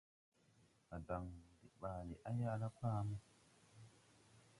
A dan wuu dè ɓaale, à yaʼla baa mo.